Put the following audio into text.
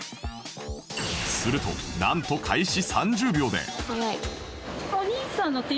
するとなんと開始３０秒で